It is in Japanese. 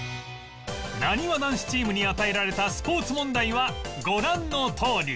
なにわ男子チームに与えられたスポーツ問題はご覧のとおり